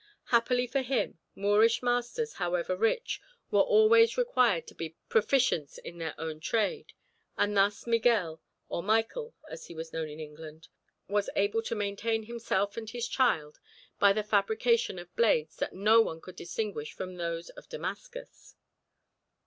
Happily for him, Moorish masters, however rich, were always required to be proficients in their own trade; and thus Miguel, or Michael as he was known in England, was able to maintain himself and his child by the fabrication of blades that no one could distinguish from those of Damascus.